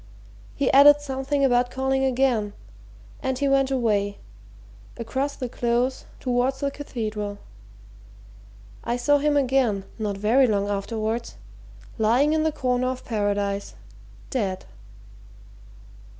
He added something about calling again, and he went away across the Close towards the Cathedral. I saw him again not very long afterwards lying in the corner of Paradise dead!"